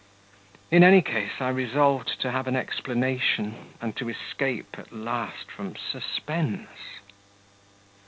In any case, I resolved to have an explanation and to escape, at last, from suspense.